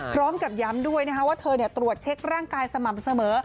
พร้อมกับย้ำด้วยว่าเธอตรวจเช็คร่างกายสม่ำเสมอ